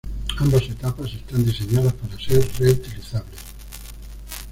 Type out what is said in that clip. Ambas etapas están diseñadas para ser reutilizables.